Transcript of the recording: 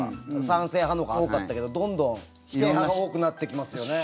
賛成派のほうが多かったけどどんどん否定派が多くなってきますよね。